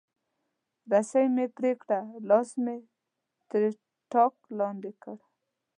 رسۍ مې پرې کړه، لاس مې تر ټاټ لاندې کړ.